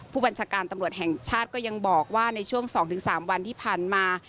ผู้บัญชาการตำรวจแห่งชาติก็ยังบอกว่าในช่วง๒๓วันที่ผ่านมา